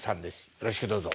よろしくどうぞ。